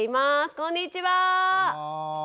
こんにちは。